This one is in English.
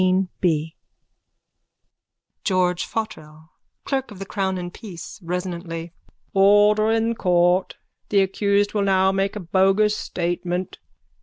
_ GEORGE FOTTRELL: (Clerk of the crown and peace, resonantly.) Order in court! The accused will now make a bogus statement.